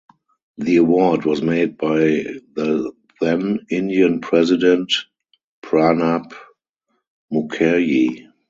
The award was made by the then Indian President Pranab Mukherjee.